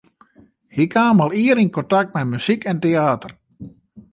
Hy kaam al ier yn kontakt mei muzyk en teäter.